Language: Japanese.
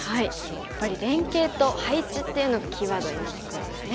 やっぱり「連携」と「配置」っていうのがキーワードになってくるんですね。